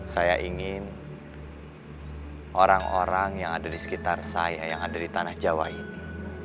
saya ingin orang orang yang ada di sekitar saya yang ada di tanah jawa ini